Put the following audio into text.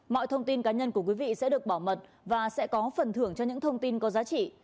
mọi thông tin cá nhân của quý vị sẽ được bảo mật và sẽ có phần thưởng cho những thông tin có giá trị